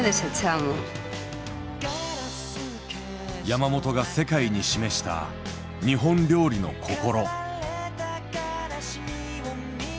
山本が世界に示した日本料理の心。